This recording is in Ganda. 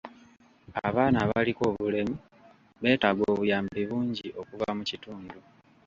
Abaana abaliko obulemu beetaaga obuyambi bungi okuva mu kitundu.